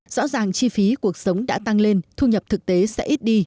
rõ ràng chi phí cuộc sống đã tăng lên thu nhập thực tế sẽ ít đi